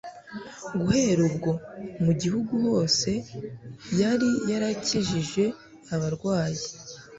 Guhera ubwo; mu gihugu hose yari yarakijije abarwayi,